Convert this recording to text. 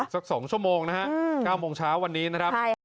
สัก๒ชั่วโมงนะฮะ๙โมงเช้าวันนี้นะครับ